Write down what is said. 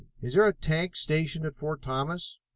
Is there a tank stationed at Fort Thomas?"